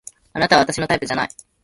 あなたは私のタイプじゃない